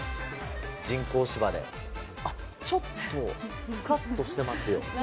人工芝で、あっ、ちょっとふかっとしてますよ。